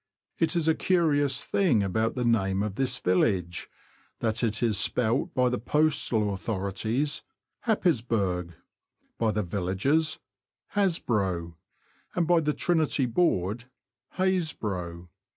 It is a curious thing about the name of this village, that it is spelt by the postal authorities, Happisburgh ; by the villagers, Hasbro' ; and by the Trinity Board, Haisbro'.